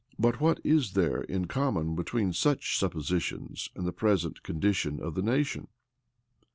But what is there in common between such suppositions and the present condition of the nation?